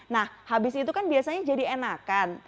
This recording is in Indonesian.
nah habis itu kan biasanya jadi enakan